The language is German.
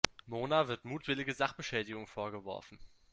Mona wird mutwillige Sachbeschädigung vorgeworfen.